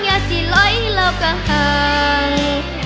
อย่าสิระวะเลวกฮาง